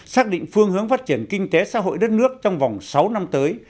xác định phương hướng phát triển kinh tế xã hội đất nước trong vòng sáu năm tới